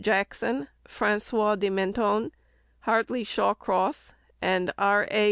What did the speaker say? Jackson, François de Menthon, Hartley Shawcross, and R. A.